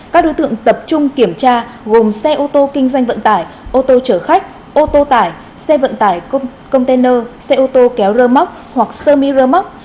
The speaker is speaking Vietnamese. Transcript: các đối tượng tập trung kiểm tra gồm xe ô tô kinh doanh vận tải ô tô chở khách ô tô tải xe vận tải container xe ô tô kéo rơ móc hoặc sơ mi rơ móc